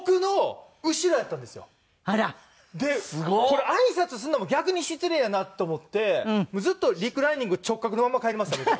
これあいさつするのも逆に失礼やなと思ってずっとリクライニング直角のまま帰りました僕。